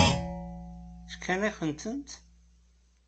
Fkan-akent-t?